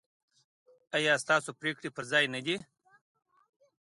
ایا ستاسو پریکړې پر ځای نه دي؟